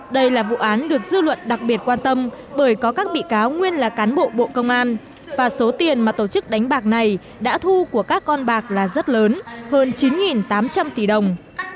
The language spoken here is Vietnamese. đây là vụ án được dư luận đặc biệt quan tâm bởi có các bị cáo nguyên là cán bộ bộ công an và số tiền mà tổ chức đánh bạc này đã thu của các con bạc là rất lớn hơn chín tám trăm linh tỷ đồng